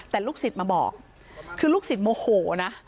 แต่ลูกศิษย์มาบอกคือลูกศิษย์โมโหนะ